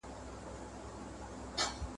تر ماښامه پوري لویه هنگامه سوه !.